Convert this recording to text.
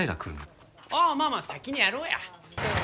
ああまあまあ先にやろうや。